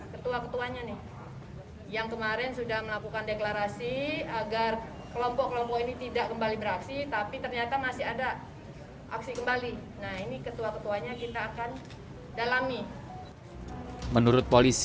ketua ketuanya menangkap mereka